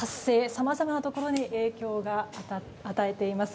さまざまなところに影響を与えています。